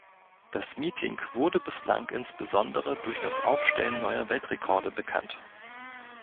Das Meeting wurde bislang insbesondere durch das Aufstellen neuer Weltrekorde bekannt.